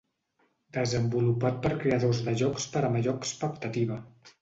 Desenvolupat per creadors de jocs per a major expectativa.